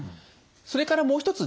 それからもう一つ